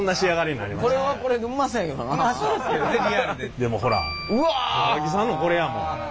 でもほら高木さんのこれやもん。